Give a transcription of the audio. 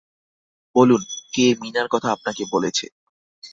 বলুন, কে মীনার কথা আপনাকে বলেছে?